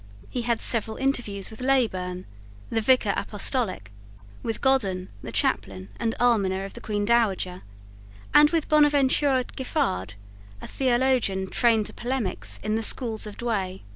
He had several interviews with Leyburn, the Vicar Apostolic, with Godden, the chaplain and almoner of the Queen Dowager, and with Bonaventure Giffard, a theologian trained to polemics in the schools of Douay.